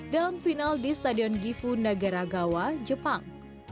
dalam final di stadion gifu nagaragawa jepang